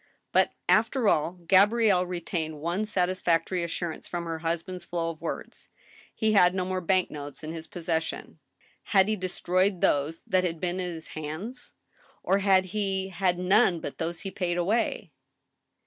But, after all, Gabrielle retained one satisfactory assurance from her husband's flow of words. He had no more bank notes in his possession. Had he destroyed those that had been in his hands ? Or had he had none but those he paid away